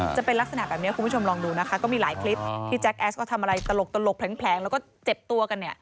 จะเป็นลักษณะแบบนี้คุณผู้ชมลองดูนะคะก็มีหลายคลิปที่แจ็คแอสก็ทำอะไรตลกแผลงแล้วก็เจ็บตัวกันเนี่ย